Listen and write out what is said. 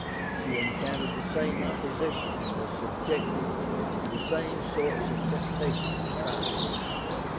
She encountered the same opposition and was subjected to the same sorts of temptation and trial.